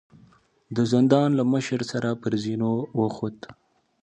د زندان له مشر سره پر زينو وخوت.